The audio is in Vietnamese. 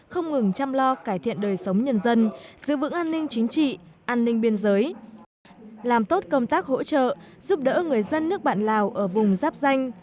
không ngừng chăm lo cải thiện đời sống nhân dân giữ vững an ninh chính trị an ninh biên giới làm tốt công tác hỗ trợ giúp đỡ người dân nước bạn lào ở vùng giáp danh